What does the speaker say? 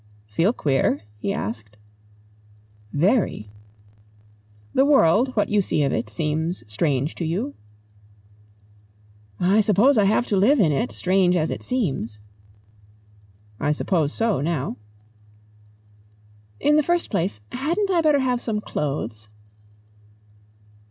"Feel queer?" he asked. "Very." "The world, what you see of it, seems strange to you?" "I suppose I have to live in it, strange as it seems." "I suppose so, now." "In the first place, hadn't I better have some clothes?"